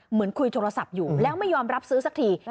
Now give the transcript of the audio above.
เหมือนคุยโทรศัพท์อยู่แล้วไม่ยอมรับซื้อสักที